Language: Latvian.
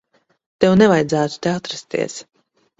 Tev nevajadzētu te atrasties.